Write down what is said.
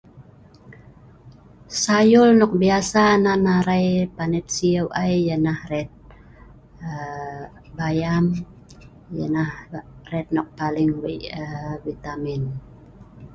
Sayur nok biasa nan arai panet sieu ai' ya'nah ret aa bayam ya'nah ret nok paling wei vitamin.